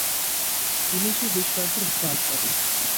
দিনে সে বেশ কয়েকবার স্নান করে।